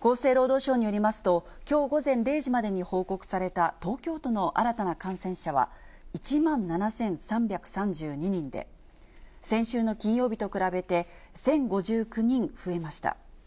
厚生労働省によりますと、きょう午前０時までに報告された東京都の新たな感染者は１万７３３２人で、先週の金曜日と比べて１０５９人増えました。